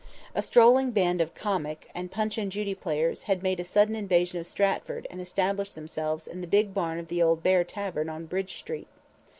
A strolling band of comic, and Punch and Judy players had made a sudden invasion of Stratford and established themselves in the big barn of the old Bear Tavern on Bridge street.